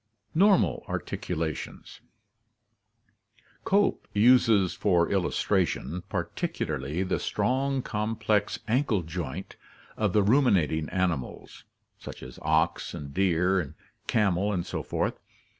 Normal Articulations. — Cope uses for illustration particularly the strong complex ankle joint of the ruminating animals (ox, deer, camel, etc.)